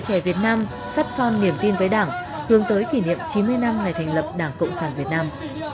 trẻ việt nam sắt son niềm tin với đảng hướng tới kỷ niệm chín mươi năm ngày thành lập đảng cộng sản việt nam